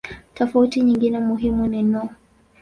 Tofauti nyingine muhimu ni no.